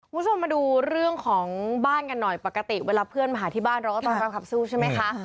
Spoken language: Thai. คุณผู้ชมมาดูเรื่องของบ้านกันหน่อยปกติเวลาเพื่อนมาหาที่บ้านเราก็ต้องรับขับสู้ใช่ไหมคะ